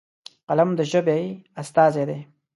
قلم د ژبې استازی دی.